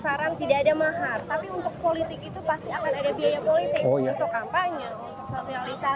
sekarang tidak ada mahar tapi untuk politik itu pasti akan ada biaya politik